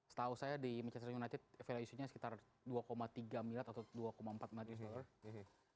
setahu saya di manchester united valuasinya sekitar dua tiga miliar atau dua empat puluh lima usd